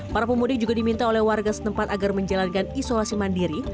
para pemudik juga diminta oleh warga setempat agar menjalankan isolasi mandiri